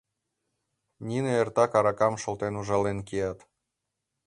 Нине эртак аракам шолтен ужален кият...